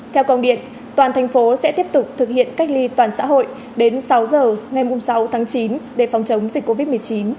theo công điện toàn thành phố sẽ tiếp tục thực hiện cách ly toàn xã hội đến sáu giờ ngày sáu tháng chín để phòng chống dịch covid một mươi chín